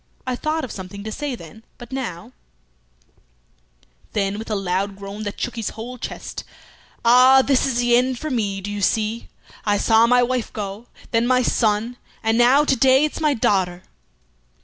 I thought of something to say then, but now " Then, with a loud groan that shook his whole chest, "Ah! this is the end for me, do you see! I saw my wife go, then my son, and now to day it's my daughter."